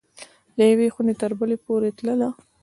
له یوې خوني تر بلي پوری تلله